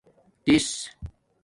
تِیس